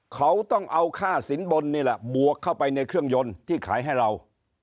เขาต้องเอาค่าสินบนนี่แหละบวกเข้าไปในเครื่องยนต์ที่ขายให้เรา